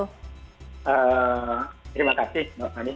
terima kasih pak fani